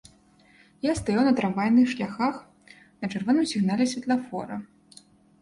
Я стаяў на трамвайных шляхах на чырвоным сігнале святлафора.